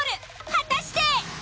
果たして。